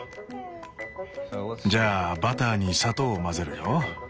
じゃあバターに砂糖を混ぜるよ。